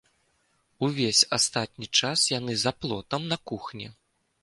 Увесь астатні час яны за плотам, на кухні.